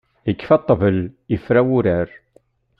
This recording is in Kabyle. Ikfa ṭṭbel, ifra wurar.